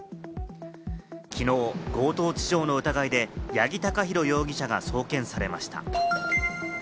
きのう強盗致傷の疑いで八木貴寛容疑者が送検されました。